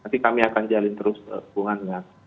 nanti kami akan jalin terus hubungannya